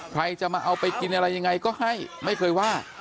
ใครจะมาเอาไปกินอะไรยังไงก็ให้ไม่เคยว่า